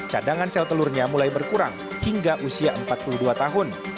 cadangan sel telurnya mulai berkurang hingga usia empat puluh dua tahun